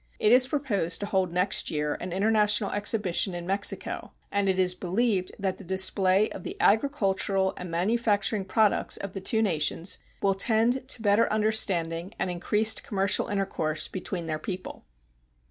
It is proposed to hold next year an international exhibition in Mexico, and it is believed that the display of the agricultural and manufacturing products of the two nations will tend to better understanding and increased commercial intercourse between their people.